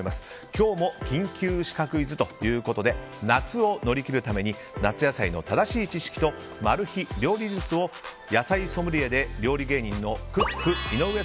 今日も緊急シカクイズということで夏を乗り切るために夏野菜の正しい知識とマル秘料理術を野菜ソムリエで料理芸人のクック井上。